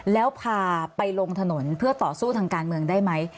แล้วพาไปลงถนนเพื่อต่อสู้ทางการเมืองได้ไหม